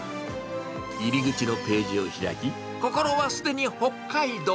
入り口のページを開き、心はすでに北海道。